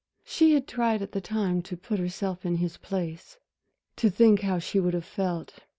She had tried at the time to put herself in his place, to think how she would have felt....